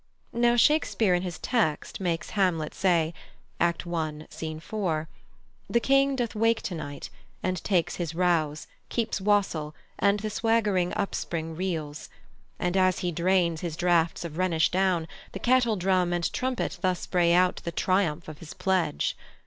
Now, Shakespeare in his text makes Hamlet say (Act i., Scene 4), "The King doth wake to night, and takes his rouse, Keeps wassail, and the swaggering upspring reels. And, as he drains his draughts of Rhenish down, The kettledrum and trumpet thus bray out The triumph of his pledge."